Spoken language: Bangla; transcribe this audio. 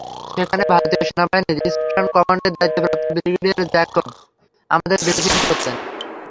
সেখানে ভারতীয় সেনাবাহিনীর ইস্টার্ন কমান্ডের দায়িত্বপ্রাপ্ত ব্রিগেডিয়ার জ্যাকব আমাদের ব্রিফিং করতেন।